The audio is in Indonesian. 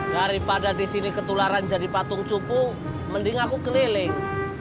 daripada di sini ketularan jadi patung cupu mending aku keliling